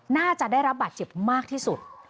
น่าจะได้รับบาดเจ็บมากที่สุด